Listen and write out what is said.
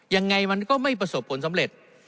ยังไงมันก็ไม่ประสบผลสำเร็จ